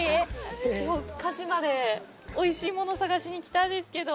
きょう鹿嶋でおいしいもの探しに来たんですけど。